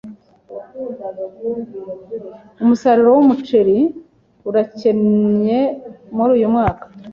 Umusaruro wumuceri urakennye muri uyu mwaka.